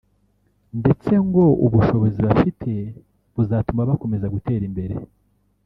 ndetse ngo ubushobozi bafite buzatuma bakomeza gutera imbere